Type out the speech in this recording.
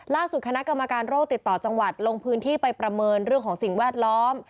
คณะกรรมการโรคติดต่อจังหวัดลงพื้นที่ไปประเมินเรื่องของสิ่งแวดล้อม